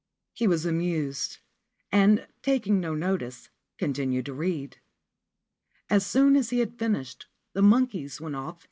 H was amused, and, taking no notice, continued to reac As soon as he had finished, the monkeys went off int the hills.